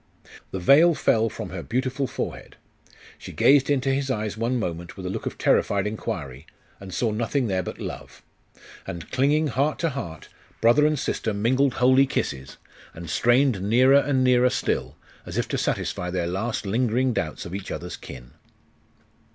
The veil fell from her beautiful forehead. She gazed into his eyes one moment with a look of terrified inquiry, and saw nothing there but love.... And clinging heart to heart, brother and sister mingled holy kisses, and strained nearer and nearer still, as if to satisfy their last lingering doubts of each other's kin.